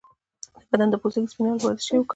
د بدن د پوستکي د سپینولو لپاره څه شی وکاروم؟